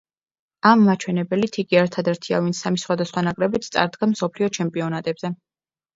ამ მაჩვენებლით იგი ერთადერთია ვინც სამი სხვადასხვა ნაკრებით წარდგა მსოფლიო ჩემპიონატებზე.